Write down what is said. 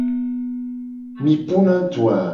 Mi puna du a?